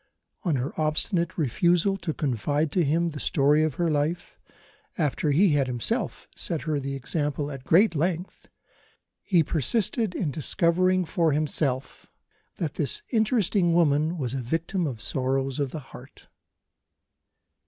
On her obstinate refusal to confide to him the story of her life after he had himself set her the example at great length he persisted in discovering for himself that "this interesting woman was a victim of sorrows of the heart."